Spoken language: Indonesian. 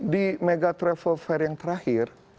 di mega travel fair yang terakhir